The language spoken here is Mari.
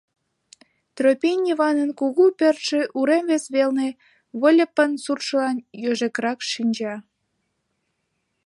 Тропин Йыванын кугу пӧртшӧ урем вес велне Выльыпын суртшылан йожекрак шинча.